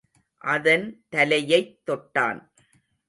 அதன் தலையைத் தொட்டான்.